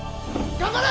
頑張れ！